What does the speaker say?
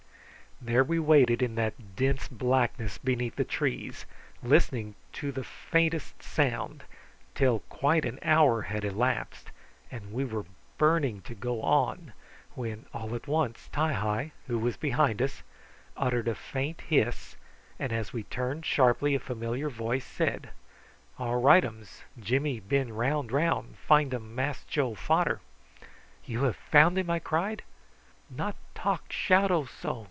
There we waited in that dense blackness beneath the trees, listening to the faintest sound, till quite an hour had elapsed, and we were burning to go on, when all at once Ti hi, who was behind us, uttered a faint hiss, and as we turned sharply a familiar voice said: "All rightums! Jimmy been round round, find um Mass Joe fader!" "You have found him?" I cried. "Not talk shouto so!"